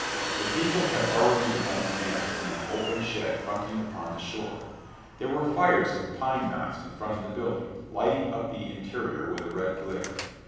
The people had already begun to dance in an open shed fronting upon the shore. There were fires of pine knots in front of the building, lighting up the interior with a red glare.